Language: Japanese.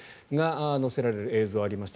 乗せられる映像がありました。